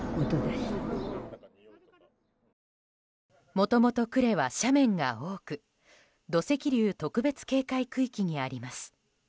もともと呉は斜面が多く土石流特別警戒区域にあります。